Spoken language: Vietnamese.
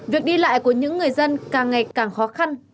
việc đi lại của những người dân càng ngày càng khó khăn